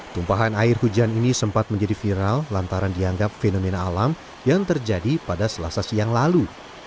tumpahan air hujan ini sempat menjadi viral lantaran dianggap fenomena alam yang terjadi pada selasa siang lalu